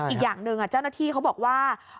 อีกอย่างหนึ่งเจ้าหน้าที่เขาบอกว่า